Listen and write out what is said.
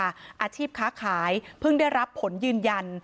อาชีพค้าขายเพิ่งได้รับผลยืนยัน